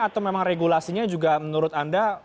atau memang regulasinya juga menurut anda